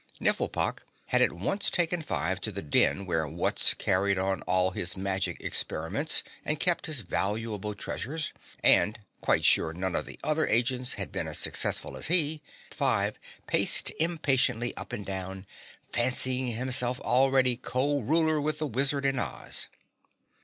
Nifflepok had at once taken Five to the den where Wutz carried on all his magic experiments and kept his valuable treasures, and quite sure none of the other agents had been as successful as he, Five paced impatiently up and down, fancying himself already co ruler with the wizard in Oz.